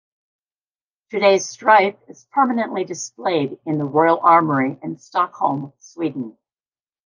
Today Streiff is permanently displayed in the Royal Armoury in Stockholm, Sweden.